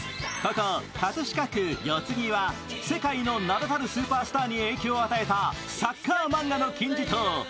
葛飾区四つ木は、世界の名だたるスーパースターに影響を与えたサッカー漫画の金字塔。